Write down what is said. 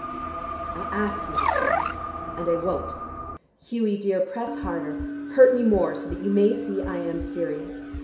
"I ask you to cheat." "And I won't. Hughie dear, press harder, hurt me more, so that you may see I am serious.